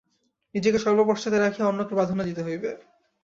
নিজেকে সর্বপশ্চাতে রাখিয়া অন্যকে প্রাধান্য দিতে হইবে।